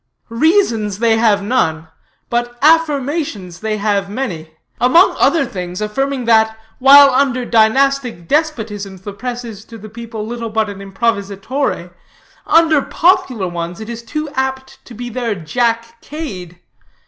"Reasons they have none, but affirmations they have many; among other things affirming that, while under dynastic despotisms, the press is to the people little but an improvisatore, under popular ones it is too apt to be their Jack Cade.